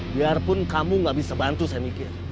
biarpun kamu gak bisa bantu saya mikir